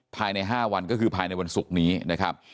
ภายใน๕วันก็คือภายในวันศุกร์นี้นะครับ